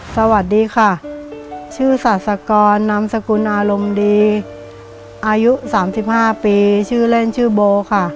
สวัสดีค่ะชื่อศาสกรนามสกุลอารมณ์ดีอายุ๓๕ปีชื่อเล่นชื่อโบค่ะ